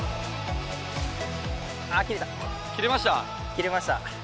切れました？